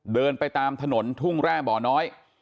เดินไปตามถนนทุ่งแร่บ่อน้อย